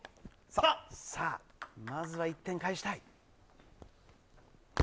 まずは１点返したい。